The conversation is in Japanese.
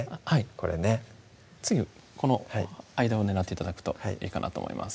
これね次この間を狙って頂くといいかなと思います